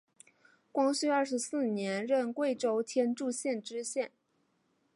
光绪二十四年任贵州天柱县知县。